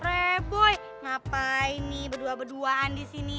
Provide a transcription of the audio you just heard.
re boy ngapain nih berdua berduaan disini